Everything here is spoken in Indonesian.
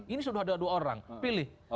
ini sudah ada dua orang pilih